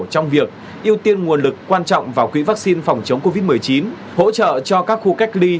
trong việc ưu tiên nguồn lực quan trọng vào quỹ vaccine phòng chống covid một mươi chín hỗ trợ cho các khu cách ly